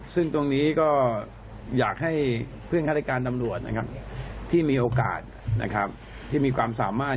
ซึ่งตรงนี้ก็อยากให้เพื่อนฆาติการตำรวจนะครับที่มีโอกาสที่มีความสามารถ